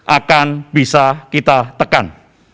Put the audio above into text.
akan bisa kita tekan